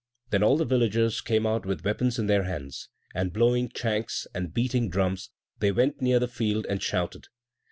Then all the villagers came out with weapons in their hands; and blowing chanks, and beating drums, they went near the field and shouted.